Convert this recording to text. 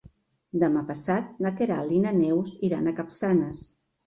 Demà passat na Queralt i na Neus iran a Capçanes.